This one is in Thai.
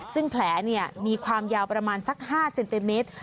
ซึ่งแผลมีความยาวประมาณสัก๕เซนติเมตร